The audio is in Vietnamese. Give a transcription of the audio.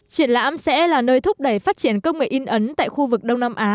triển lãm sẽ là nơi thúc đẩy phát triển công nghệ in ấn tại khu vực đông nam á